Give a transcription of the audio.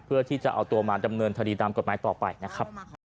เพื่อที่จะเอาตัวมาดำเนินคดีตามกฎหมายต่อไปนะครับ